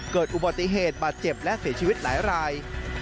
เกิดอุบัติเหตุบาดเจ็บและเสียชีวิตหลายราย